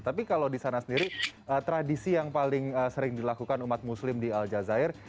tapi kalau di sana sendiri tradisi yang paling sering dilakukan umat muslim di al jazair